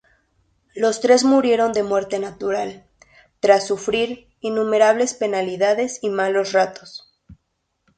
Los tres murieron de muerte natural, tras sufrir innumerables penalidades y malos tratos.